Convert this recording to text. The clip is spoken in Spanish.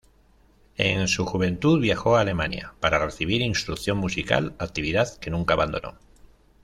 En su juventud viajó a Alemania para recibir instrucción musical, actividad que nunca abandonó.